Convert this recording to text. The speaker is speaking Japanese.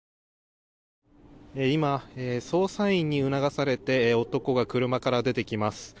捜査員に促されて男が車から出てきます。